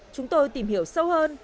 chúng tôi tìm hiểu sâu hơn